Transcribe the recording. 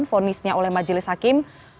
fonisnya oleh majelis hakim